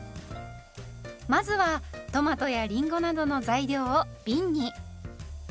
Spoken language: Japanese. まずはトマトやりんごなどの材料をびんに。